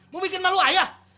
mau bikin malu ayah